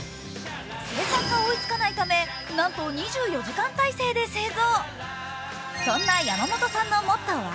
生産が追いつかないため、なんと２４時間体制で製造。